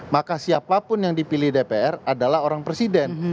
maka siapapun yang dipilih dpr adalah orang presiden